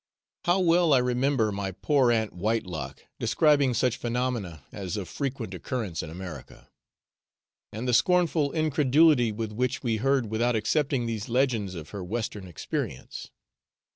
How well I remember my poor aunt Whitelock describing such phenomena as of frequent occurrence in America, and the scornful incredulity with which we heard without accepting these legends of her Western experience!